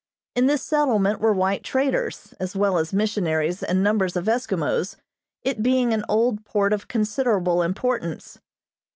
In this settlement were white traders, as well as missionaries and numbers of Eskimos, it being an old port of considerable importance.